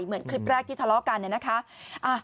เหมือนคลิปแรกที่ทะเลาะกันเนี่ยนะคะ